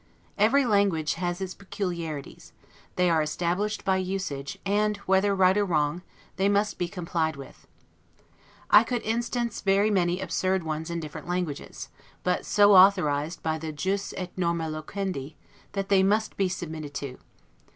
Every language has its peculiarities; they are established by usage, and whether right or wrong, they must be complied with. I could instance many very absurd ones in different languages; but so authorized by the 'jus et norma loquendi', that they must be submitted to.